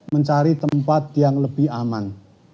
mencari tempat yang lebih aman